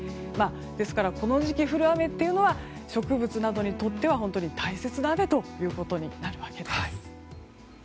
ですからこの時期降る雨というのは植物などにとっては本当に大切な雨となるわけです。